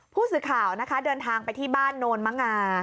ผู้สื่อข่าวนะคะเดินทางไปที่บ้านโนนมะงา